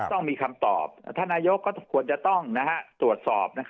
ต้องมีคำตอบท่านนายกก็ควรจะต้องตรวจสอบ